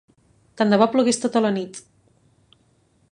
Tant de bo plogués tota la nit!